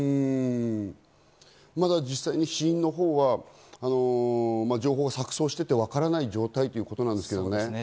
まだ実際に死因のほうは情報は錯綜していてわからない状態ということなんですよね。